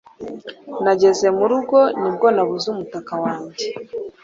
Nageze mu rugo ni bwo nabuze umutaka wanjye